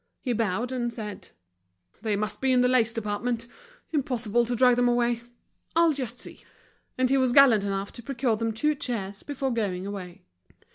He bowed, and said: "They must be in the lace department—impossible to drag them away. I'll just see." And he was gallant enough to procure them two chairs before going away.